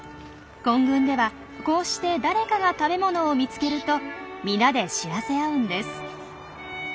混群ではこうして誰かが食べ物を見つけると皆で知らせ合うんです。